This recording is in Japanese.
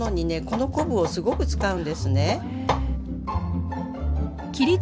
この昆布をすごく使うんですね。